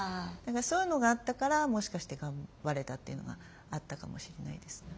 そういうのがあったからもしかして頑張れたというのがあったかもしれないですね。